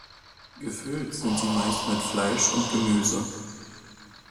Gefüllt sind sie meist mit Fleisch und Gemüse.